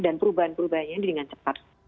dan perubahan perubahannya dengan cepat